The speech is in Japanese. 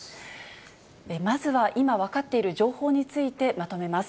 まずは今分かっている情報についてまとめます。